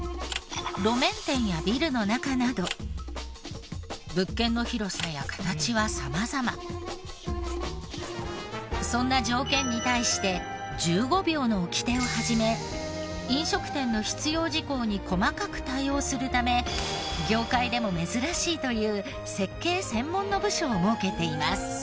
路面店やビルの中などそんな条件に対して１５秒の掟を始め飲食店の必要事項に細かく対応するため業界でも珍しいという設計専門の部署を設けています。